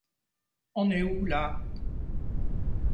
On est où, là ?